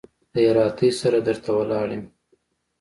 د هراتۍ سره در ته ولاړ يم.